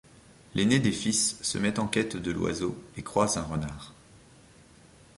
L'aîné des fils se met en quête de l'oiseau et croise un renard.